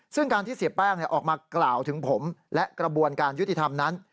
ซึ่งการที่เสียแป้งออกมากล่าวถึงผมและกระบวนการยุติธรรมนั้น